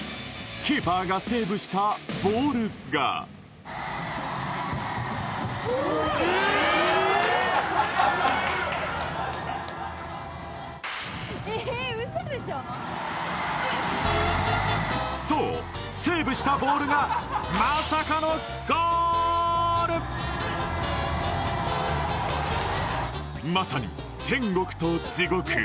キーパーがセーブしたボールがそうセーブしたボールがまさかのまさに天国と地獄